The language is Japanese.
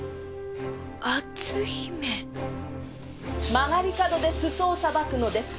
曲がり角で裾をさばくのです。